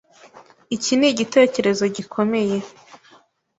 Iki nigitekerezo gikomeye.